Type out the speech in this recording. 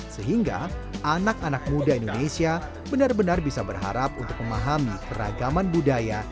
sehingga anak anak muda indonesia benar benar bisa berharap untuk memahami keragaman budaya